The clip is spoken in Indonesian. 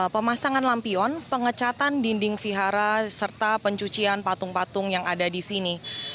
pemasangan lampion pengecatan dinding vihara serta pencucian patung patung yang ada di sini